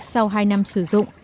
sau hai năm sử dụng